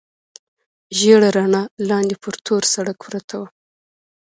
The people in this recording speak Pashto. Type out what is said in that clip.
ژېړه رڼا، لاندې پر تور سړک پرته وه.